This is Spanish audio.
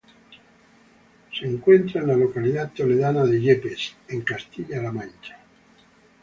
Se encuentra en la localidad toledana de Yepes, en Castilla-La Mancha.